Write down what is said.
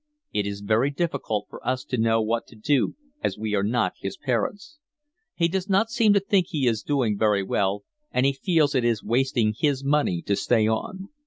It is very difficult for us to know what to do as we are not his parents. He does not seem to think he is doing very well and he feels it is wasting his money to stay on.